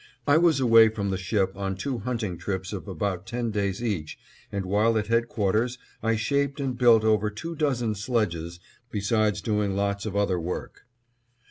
I was away from the ship on two hunting trips of about ten days each, and while at headquarters, I shaped and built over two dozen sledges, besides doing lots of other work.